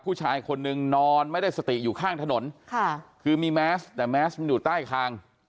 ผู้ชายคนนึงนอนไม่ได้สติอยู่ข้างถนนค่ะคือมีแมสแต่แมสมันอยู่ใต้คาง